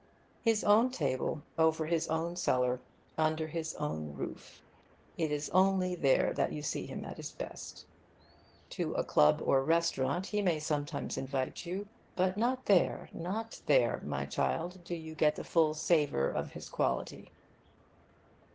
His own table, over his own cellar, under his own roof it is only there that you see him at his best. To a club or restaurant he may sometimes invite you, but not there, not there, my child, do you get the full savour of his quality.